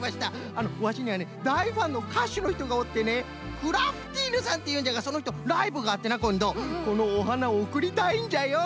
あのワシにはねだいファンのかしゅのひとがおってねクラフティーヌさんっていうんじゃがそのひとライブがあってなこんどこのおはなをおくりたいんじゃよ。